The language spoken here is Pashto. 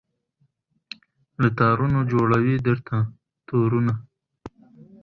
له تارونو جوړوي درته تورونه